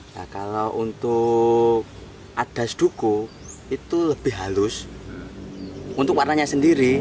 nah kalau untuk adas duku itu lebih halus untuk warnanya sendiri